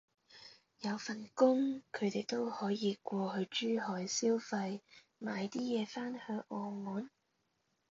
有份工，佢哋都可以過去珠海消費買啲嘢返去澳門